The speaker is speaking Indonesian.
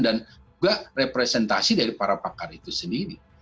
dan juga representasi dari para pakar itu sendiri